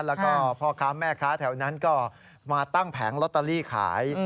แล้วก็พ่อค้าแม่ค้าแถวนั้นก็มาตั้งแผงลอตเตอรี่ขาย